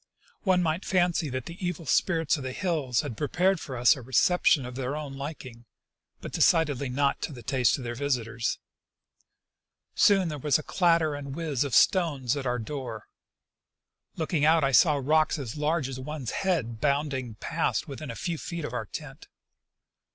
One might fancy that the evil spirits of the hills had prepared for us a reception of their own liking — but decidedly not to the taste of their visitors. Soon there was a clatter and whiz of stones at our door. Looking out I saw rocks as large as one's head bounding past within a few feet of our tent.